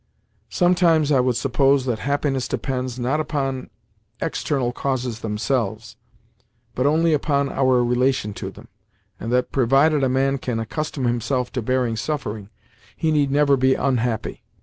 Sometimes I would suppose that happiness depends, not upon external causes themselves, but only upon our relation to them, and that, provided a man can accustom himself to bearing suffering, he need never be unhappy.